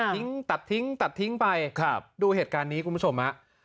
อ้าวตัดทิ้งตัดทิ้งตัดทิ้งไปครับดูเหตุการณ์นี้คุณผู้ชมฮะ